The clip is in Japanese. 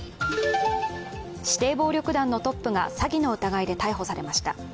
指定暴力団のトップが詐欺の疑いで逮捕されました。